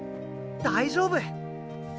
大丈夫。